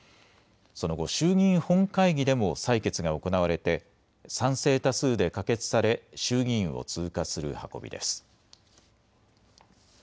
その後、衆議院本会議でも採決が行われて賛成多数で可決され衆議院を通過する運びです。